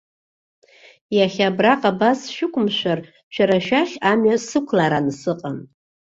Иахьа абраҟа абас сшәықәымшәар шәара шәахь амҩа сықәларан сыҟан.